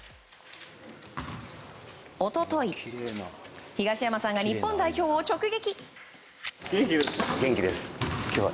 一昨日、東山さんが日本代表を直撃。